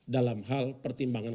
dalam hal pertimbangan